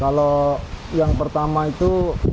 kalau yang pertama itu